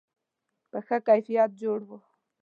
په ښه کیفیت جوړ و.